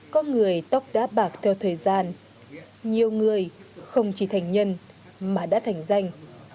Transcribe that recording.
có người tóc đá bạc theo thời gian nhiều người không chỉ thành nhân mà đã thành danh